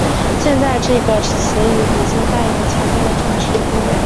现在这个词语已经带有强烈的政治意味。